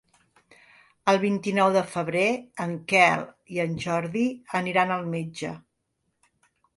El vint-i-nou de febrer en Quel i en Jordi aniran al metge.